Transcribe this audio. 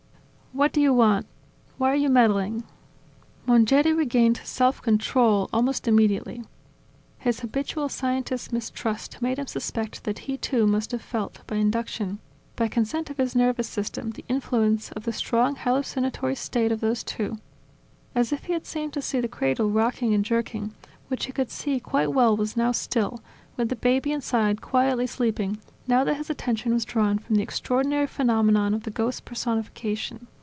"What do you want? Why are you meddling?" Mongeri regained his self control almost immediately. His habitual scientist's mistrust made him suspect that he, too, must have felt, by induction, by consent of his nervous system, the influence of the strong hallucinatory state of those two, if he had seemed to see the cradle rocking and jerking, which he could see quite well was now still, with the baby inside quietly sleeping, now that his attention was drawn from the extraordinary phenomenon of the ghost's personification.